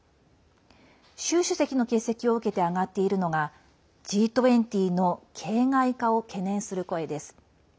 習主席の欠席を受けて上がっているのがＧ２０の形骸化を懸念する声です。